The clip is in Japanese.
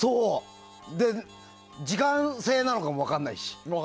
時間制なのかも分からないし。